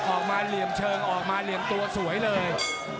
เหลี่ยมเชิงออกมาเหลี่ยมตัวสวยเลย